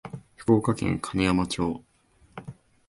福島県金山町